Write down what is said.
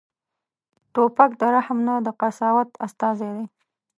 توپک د رحم نه، د قساوت استازی دی.